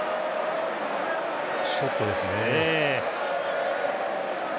ショットですね。